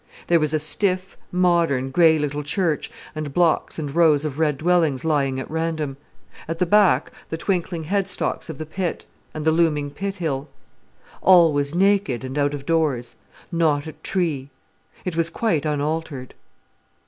There was a stiff, modern, grey little church, and blocks and rows of red dwellings lying at random; at the back, the twinkling headstocks of the pit, and the looming pit hill. All was naked and out of doors, not a tree! It was quite unaltered.